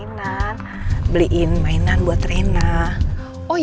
nanti tuan olmay